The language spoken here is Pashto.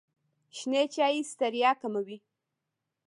شنې چایی ستړیا کموي.